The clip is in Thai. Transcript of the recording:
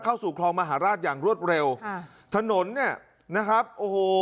เข้าสู่คลองมหาราชอย่างรวดเร็วค่ะถนนเนี่ยนะครับโอ้โห